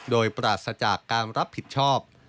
โดยปราศจากการรับผิดชอบ